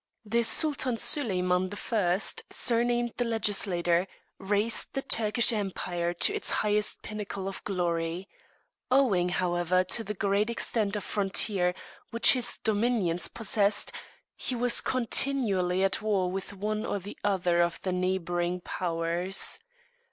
A.D. 1555. The Sultan Soliman the First, surnamed the Legislator, raised the Turkish Empire to its highest pinnacle of glory. Owing, however, to the great extent of frontier which his dominions possessed, he was continually at war with one or the other of the neighbouring powers.